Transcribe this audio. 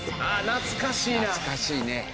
懐かしいね。